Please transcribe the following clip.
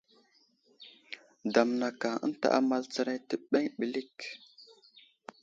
Damnaka ənta amal tsəray təbeŋ ɓəlik.